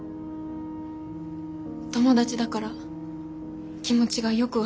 友達だから気持ちがよく分かる。